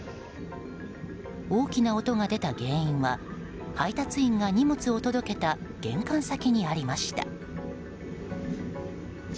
大きな音が出た原因は配達員が荷物を届けた玄関先にありました。